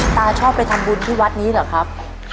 ชอบไปทำบุญที่วัดนี้เหรอครับ